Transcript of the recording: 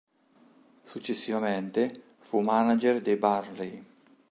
Successivamente, fu manager del Burnley.